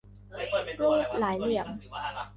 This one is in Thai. รูปหลายเหลี่ยม